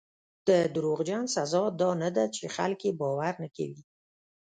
د دروغجن سزا دا نه ده چې خلک یې باور نه کوي.